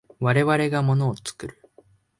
我々が物を作る。